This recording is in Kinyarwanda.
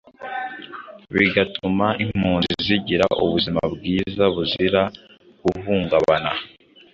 bigatuma impunzi zigira ubuzima bwiza buzira guhungubana.